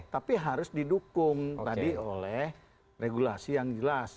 tapi harus didukung tadi oleh regulasi yang jelas